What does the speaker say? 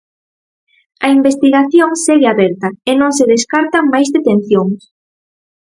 A investigación segue aberta e non se descartan máis detencións.